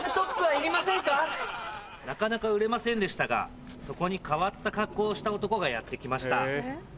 「なかなか売れませんでしたがそこに変わった格好をした男がやって来ました」。